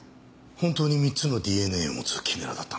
本当に３つのＤＮＡを持つキメラだったのか。